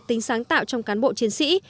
tính sáng tạo trong cán bộ chiến sĩ